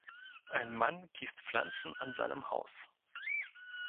Ein Mann gießt Pflanzen an seinem Haus.